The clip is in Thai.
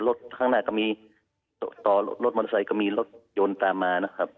ข้างหน้าก็มีต่อรถมอเตอร์ไซค์ก็มีรถยนต์ตามมานะครับ